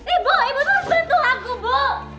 ibu ibu tuh bantu aku bu